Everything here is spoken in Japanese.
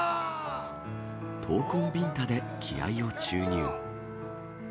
闘魂ビンタで気合いを注入。